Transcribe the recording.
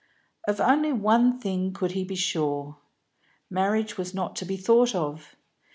Of only one thing could he be sure: marriage was not to be thought of.